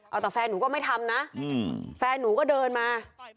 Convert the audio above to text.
เอาแต่แฟนหนูก็ไม่ทำนะแฟนหนูก็เดินมา